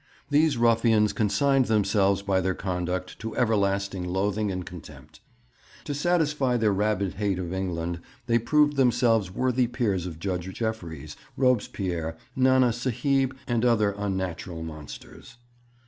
These ruffians consigned themselves by their conduct to everlasting loathing and contempt; to satisfy their rabid hate of England they proved themselves worthy peers of Judge Jeffreys, Robespierre, Nana Sahib, and other unnatural monsters.